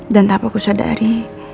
dan tak apa ku sadari